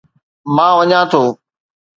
مان وڃان ٿو.